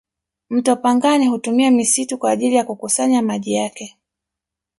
mto pangani hutumia misitu kwa ajili ya kukusanya maji yake